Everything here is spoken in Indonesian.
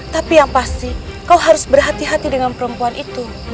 tapi yang pasti kau harus berhati hati dengan perempuan itu